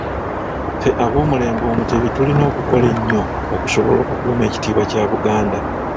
Ffe ab’omulembe Omutebi tulina okukola ennyo okusobola okukuuma ekitiibwa kya Buganda.